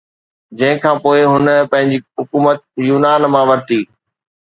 جنهن کان پوءِ هن پنهنجي حڪومت يونان مان ورتي